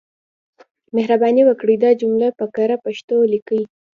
مهرباني وکړئ دا جملې په کره پښتو ليکئ.